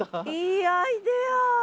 いいアイデア！